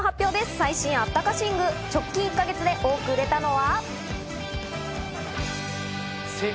最新あったか寝具、直近１か月で多く売れたのは？